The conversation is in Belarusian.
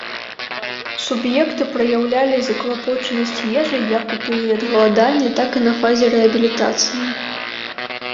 Суб'екты праяўлялі заклапочанасць ежай, як у перыяд галадання, так і на фазе рэабілітацыі.